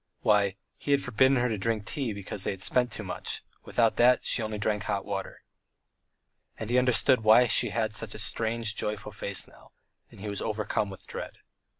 Why, he had forbidden her to drink tea because they spent too much without that, and she drank only hot water. And he understood why she had such a strange, joyful face now, and he was overcome with dread.